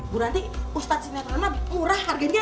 bu ranti ustadz sinetron emang murah harganya